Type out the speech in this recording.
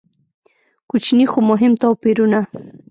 کوچني خو مهم توپیرونه.